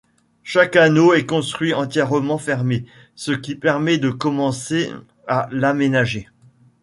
Chaque anneau est construit entièrement fermé, ce qui permet de commencer à l'aménager.